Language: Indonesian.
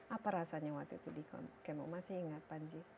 apa rasanya waktu itu dikemo masih ingat panji